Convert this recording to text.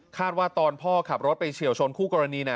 ว่าตอนพ่อขับรถไปเฉียวชนคู่กรณี